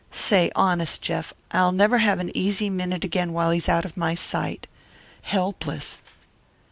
Say, honest, Jeff, I'll never have an easy minute again while he's out of my sight. Helpless!